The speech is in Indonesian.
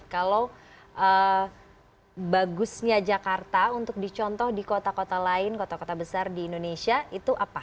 kalau bagusnya jakarta untuk dicontoh di kota kota lain kota kota besar di indonesia itu apa